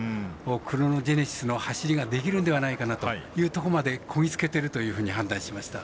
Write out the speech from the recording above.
クロノジェネシスの走りができるんじゃないかなというところまでこぎつけているというふうに判断しました。